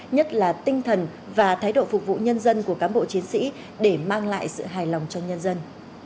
nhất là tinh thần và thái độ phục vụ nhân dân của cán bộ chiến sĩ để mang lại sự hài lòng cho nhân dân